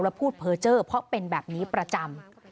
แล้วพูดเพอร์เจอร์เพราะเป็นแบบนี้ประจำ